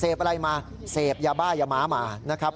อะไรมาเสพยาบ้ายาม้ามานะครับ